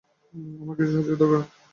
আমার কিছু সাহায্য দরকার!